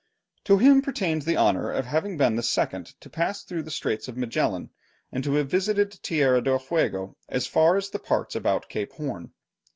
To him pertains the honour of having been the second to pass through the Strait of Magellan, and to have visited Tierra del Fuego as far as the parts about Cape Horn.